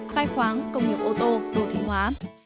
khai khoáng công nghiệp ô tô đồ thị hóa